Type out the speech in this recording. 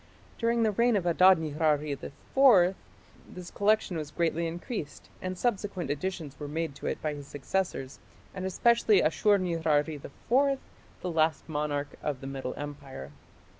During the reign of Adad nirari IV this collection was greatly increased, and subsequent additions were made to it by his successors, and especially Ashur nirari IV, the last monarch of the Middle Empire.